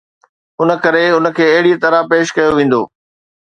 ان ڪري ان کي اهڙي طرح پيش ڪيو ويندو